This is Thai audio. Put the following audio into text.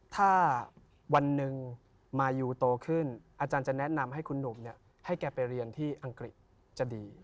ถ้าวันหนึ่งมายูโตขึ้นอาจารย์จะแนะนำให้คุณหนุ่มให้แกไปเรียนที่อังกฤษจะดี